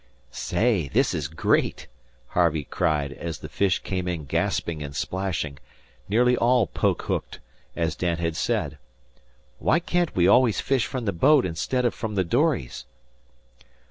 "Say, this is great!" Harvey cried, as the fish came in gasping and splashing nearly all poke hooked, as Dan had said. "Why can't we always fish from the boat instead of from the dories?"